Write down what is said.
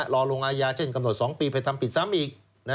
รอลงอาญาเช่นกำหนด๒ปีไปทำผิดซ้ำอีก